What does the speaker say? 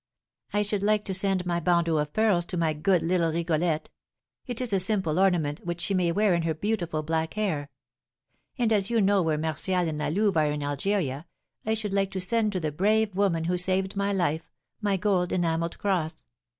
"I should like to send my bandeau of pearls to my good little Rigolette; it is a simple ornament which she may wear in her beautiful black hair. And as you know where Martial and La Louve are in Algeria, I should like to send to the brave woman who saved my life my gold enamelled cross.